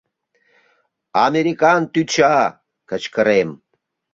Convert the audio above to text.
— Американ тӱча! — кычкырем.